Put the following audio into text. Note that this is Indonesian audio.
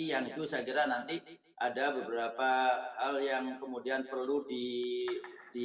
yang itu saya kira nanti ada beberapa hal yang kemudian perlu di